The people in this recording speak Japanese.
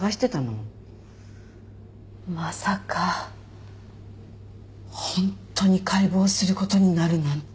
まさか本当に解剖する事になるなんて。